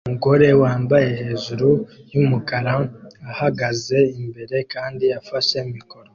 Umugore wambaye hejuru yumukara ahagaze imbere kandi afashe mikoro